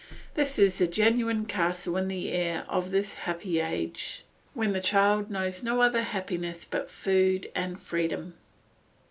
This is the genuine castle in the air of this happy age, when the child knows no other happiness but food and freedom.